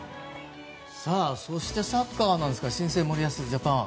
そしてサッカーですが新生森保ジャパン。